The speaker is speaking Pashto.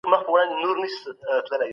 افغان کارګران د وینا بشپړه ازادي نه لري.